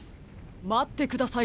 まってください